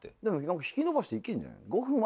でも引き延ばしたらいけんじゃない？